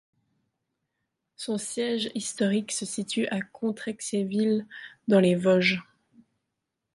Son siège historique se situe à Contrexéville dans les Vosges.